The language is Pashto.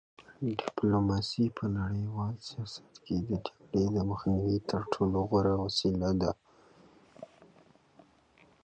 ډیپلوماسي په نړیوال سیاست کې د جګړې د مخنیوي تر ټولو غوره وسیله ده.